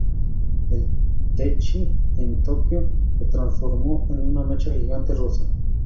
En "Tenchi en Tokio", se transformó en un mecha gigante rosa.